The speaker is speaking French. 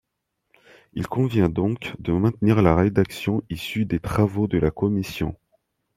Il convient donc de maintenir la rédaction issue des travaux de la commission.